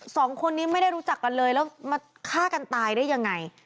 สองคนนี้ไม่ได้รู้จักกันเลยแล้วมาฆ่ากันตายได้ยังไง